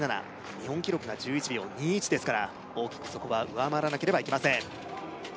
日本記録が１１秒２１ですから大きくそこは上回らなければいけません